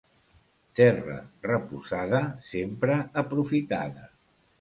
Terra reposada sempre aprofitada.